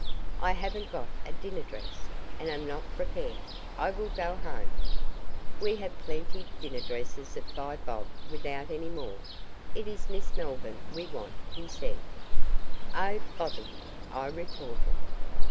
"I haven't got a dinner dress, and am not prepared. I will go home." "We have plenty dinner dresses at Five Bob without any more. It is Miss Melvyn we want," he said. "Oh, bother you!" I retorted.